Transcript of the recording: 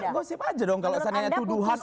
ya gosip saja dong kalau itu adalah tuduhan